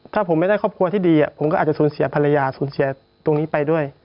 ถ้าผมไม่ได้ครอบครัวที่ดีผมก็อาจจะสูญเสียภรรยาสูญเสียตรงนี้ไปด้วย